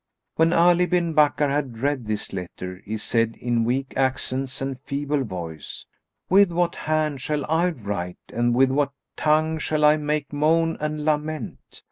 "[FN#202] When Ali bin Bakkar had read this letter he said in weak accents and feeble voice, "With what hand shall I write and with what tongue shall I make moan and lament?